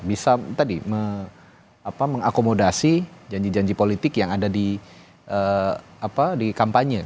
bisa tadi mengakomodasi janji janji politik yang ada di kampanye